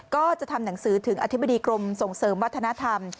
ก็จะทำหนังสือถึงอธิบดีกรมส่งเสริมวัฒนธรรม